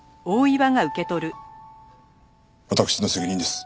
私の責任です。